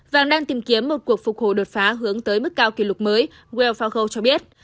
vàng đang tìm kiếm một cuộc phục hồ đột phá hướng tới mức cao kỷ lục mới wealthfargo cho biết